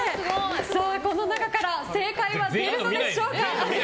この中から正解は出るんでしょうか。